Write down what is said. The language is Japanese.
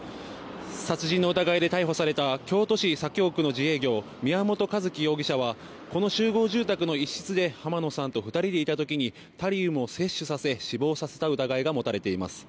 殺人の疑いで逮捕された京都市左京区の自営業宮本一希容疑者はこの集合住宅の一室で浜野さんと２人でいた時にタリウムを摂取させ死亡させた疑いが持たれています。